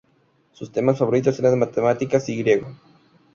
Sus temas favoritos eran matemáticas y griego.